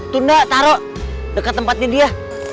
tunda taro deket tempatnya dia